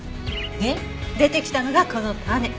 で出てきたのがこの種。